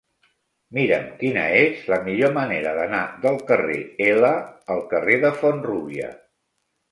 Mira'm quina és la millor manera d'anar del carrer L al carrer de Font-rúbia.